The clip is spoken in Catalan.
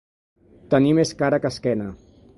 Tenir més cara que esquena.